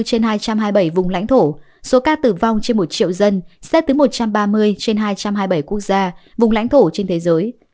tổng số ca tử vong xếp từ hai trăm hai mươi bảy vùng lãnh thổ số ca tử vong trên một triệu dân xếp từ một trăm ba mươi trên hai trăm hai mươi bảy quốc gia vùng lãnh thổ trên thế giới